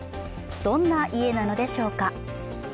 どんな家なのでしょうか。